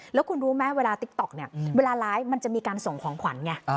แล้วคุณรู้ไหมเวลาติ๊กต๊อกเนี่ยเวลาไลฟ์มันจะมีการส่งของขวัญไง